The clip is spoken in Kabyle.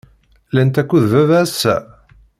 Llant akked baba ass-a?